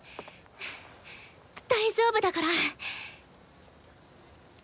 大丈夫だから！